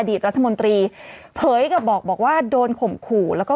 รัฐมนตรีเผยกับบอกบอกว่าโดนข่มขู่แล้วก็